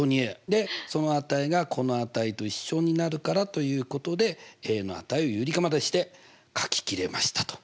でその値がこの値と一緒になるからということでの値を有理化までして書ききれましたと。